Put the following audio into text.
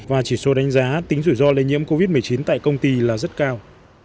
và chỉ số đánh giá tính rủi ro lây nhiễm covid một mươi chín tại công ty là rất cao